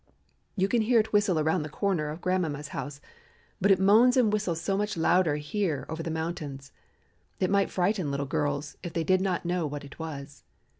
You can hear it whistle around the corner of grandmamma's house, but it moans and whistles so much louder out here over the mountains, it might frighten little girls if they did not know what it was.